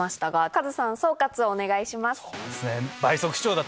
カズさん総括をお願いします。